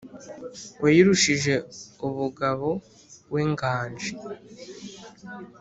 wayirushije ubugabo we nganji,